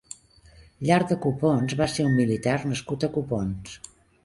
Llarg de Copons va ser un militar nascut a Copons.